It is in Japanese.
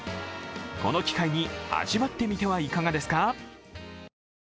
この機会に味わってみてはいかがですか？